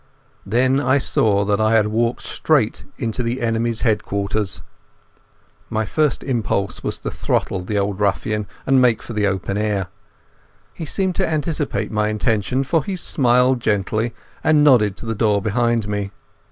Then I saw that I had walked straight into the enemy's headquarters. My first impulse was to throttle the old ruffian and make for the open air. He seemed to anticipate my intention, for he smiled gently, and nodded to the door behind me.